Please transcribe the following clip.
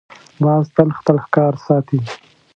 باز تل خپل ښکار ساتي